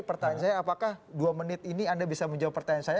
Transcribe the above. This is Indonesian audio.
pertanyaan saya apakah dua menit ini anda bisa menjawab pertanyaan saya